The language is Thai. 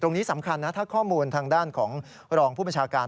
สำคัญนะถ้าข้อมูลทางด้านของรองผู้บัญชาการ